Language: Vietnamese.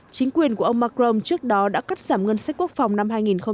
chính quyền của ông macron trước đó đã cắt giảm ngân sách quốc phòng năm hai nghìn một mươi chín